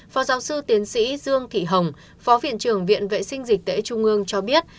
phó giáo sư tiến sĩ dương thị hồng phó viện trưởng viện vệ sinh dịch tễ trung ương cho biết